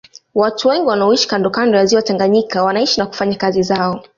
Watu wengi wanaoishi kando kando ya Ziwa Tanganyika wanaishi na kufanya kazi zao